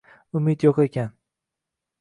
Umid yo’q ekan